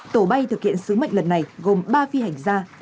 tổ bay thực hiện sứ mệnh lần này gồm ba phi hành gia